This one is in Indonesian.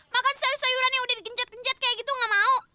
makan sayuran sayuran yang udah digenjat genjat kayak gitu gak mau